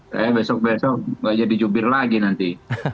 saya besok besok nggak jadi jubir lagi nanti